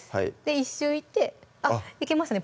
１周いってあっいけますね